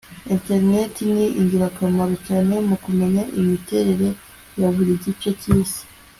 Interineti ni ingirakamaro cyane mu kumenya imiterere ya buri gice cyisi